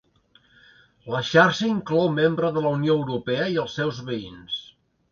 La xarxa inclou membre de la Unió Europa i els seus veïns.